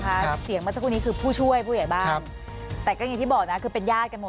คิดว่ามันเป็นการป้องกันตัวหรือเป็นยังไง